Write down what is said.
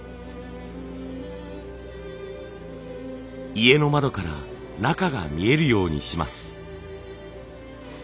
家の窓から中が見えるようにします。